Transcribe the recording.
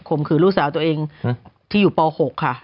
มขืนลูกสาวตัวเองที่อยู่ป๖ค่ะ